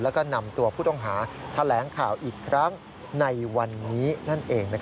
แล้วก็นำตัวผู้ต้องหาแถลงข่าวอีกครั้งในวันนี้นั่นเอง